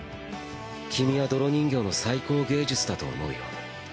君は泥人形の最高芸術だと思うよ。